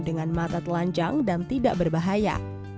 dengan mata telanjang dan tidak berbahaya